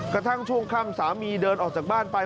กระทั่งช่วงค่ำสามีเดินออกจากบ้านไป